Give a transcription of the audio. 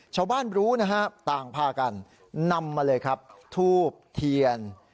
ชาวบ้านรู้นะฮะต่างพากันนำมาเลยครับทูบเทียน